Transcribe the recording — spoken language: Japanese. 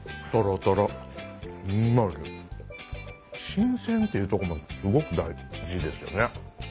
新鮮っていうとこもすごく大事ですよね。